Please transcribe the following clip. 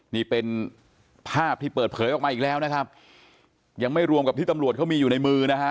นี่เป็นภาพที่เปิดเผยออกมาอีกแล้วนะครับยังไม่รวมกับที่ตำรวจเขามีอยู่ในมือนะฮะ